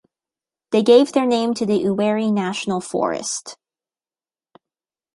They give their name to the Uwharrie National Forest.